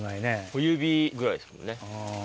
小指ぐらいですもんね。